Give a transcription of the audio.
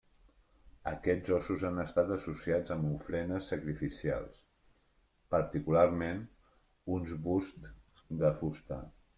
Aquests ossos han estat associats amb ofrenes sacrificials, particularment, uns busts de fusta.